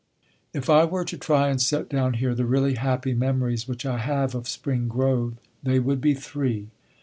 If I were to try and set down here the really happy memories which I have of Spring Grove they would be three.